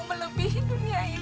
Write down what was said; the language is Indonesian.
melebihi dunia ini jang